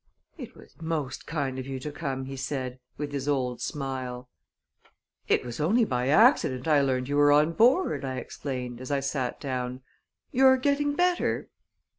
"It was most kind of you to come," he said, with his old smile. "It was only by accident I learned you were on board," I explained, as I sat down. "You're getting better?"